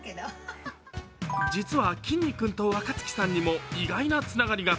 実は、きんに君と若槻さんにも意外なつながりが。